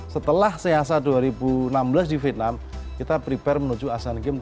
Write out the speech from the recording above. setelah seasa dua ribu enam belas di vietnam kita prepare menuju asean games dua ribu delapan belas